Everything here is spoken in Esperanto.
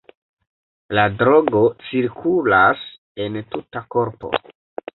La drogo cirkulas en tuta korpo.